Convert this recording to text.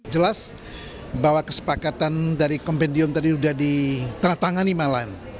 jelas bahwa kesepakatan dari compendium tadi sudah ditangani malahan